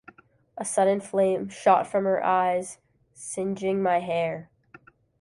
A sudden flame shot from her eyes, singeing my hair.